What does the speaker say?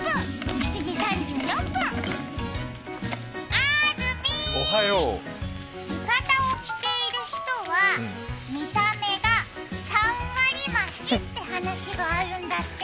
あーずみー、浴衣を着ている人は見た目が３割増しって話があるんだって。